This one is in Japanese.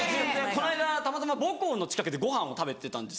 この間たまたま母校の近くでご飯を食べてたんですよ。